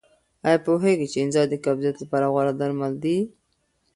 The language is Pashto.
آیا پوهېږئ چې انځر د قبضیت لپاره غوره درمل دي؟